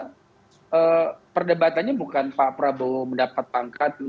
saya kira perdebatannya bukan pak prabowo mendapat pangkat